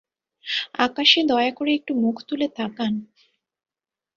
আকাশে দয়া করে একটু মুখ তুলে তাকান!